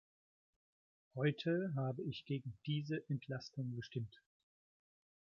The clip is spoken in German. Heute habe ich gegen diese Entlastung gestimmt.